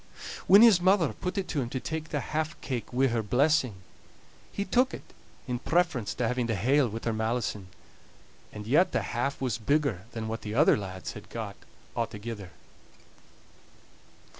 When his mother put it to him to take the half cake wi' her blessing, he took it in preference to having the hale wi' her malison; and yet the half was bigger than what the other lads had got a'thegither.